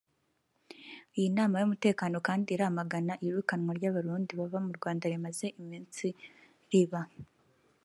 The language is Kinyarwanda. Iyi nama y’umutekano kandi iramagana iyirukanwa ry’Abarundi baba mu Rwanda rimaze iminsi riba